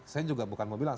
saya juga bukan mau bilang